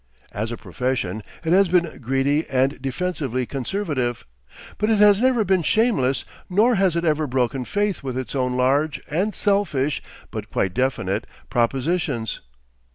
As a profession it has been greedy and defensively conservative, but it has never been shameless nor has it ever broken faith with its own large and selfish, but quite definite, propositions.